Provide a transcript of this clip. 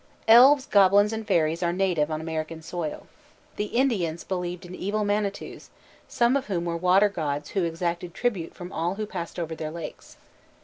_ Elves, goblins, and fairies are native on American soil. The Indians believed in evil manitous, some of whom were water gods who exacted tribute from all who passed over their lakes.